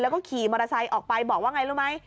แล้วก็ขี่มอเตอร์ไซค์ออกไปบอกว่าไงรู้ไหม